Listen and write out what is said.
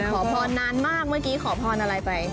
ขอพรนานมากเมื่อกี้ขอพรอะไรไป